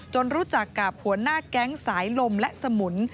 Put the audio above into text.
รู้จักกับหัวหน้าแก๊งสายลมและสมุน